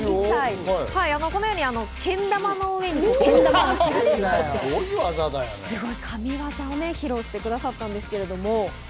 このように、けん玉の上にけん玉をのせて、神技を披露してくださったんですけれども。